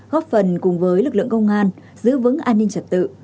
góp phần cùng với lực lượng công an giữ vững an ninh trật tự